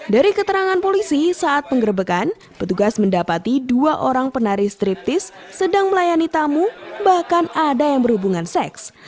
dari keterangan polisi saat penggerbekan petugas mendapati dua orang penari striptees sedang melayani tamu bahkan ada yang berhubungan seks